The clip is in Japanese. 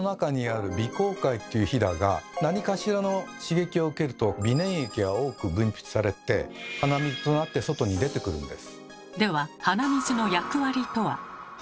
甲介っていうヒダが何かしらの刺激を受けると鼻粘液が多く分泌されて鼻水となって外に出てくるんです。